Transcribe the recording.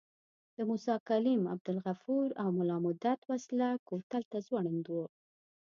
د موسی کلیم، عبدالغفور او ملا مدت وسله کوتل ته ځوړند وو.